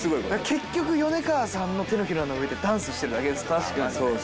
結局米川さんの手のひらの上でダンスしてるだけですからマジで。